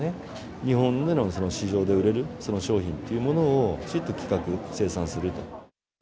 日本での市場で売れる商品というものを、きちっと企画生産すると。